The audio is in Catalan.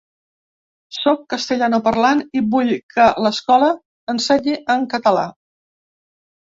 “Sóc castellanoparlant i vull que l’escola ensenyi en català”